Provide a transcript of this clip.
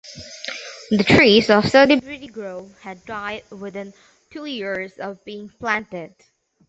The trees of Celebrity Grove had died within two years of being planted.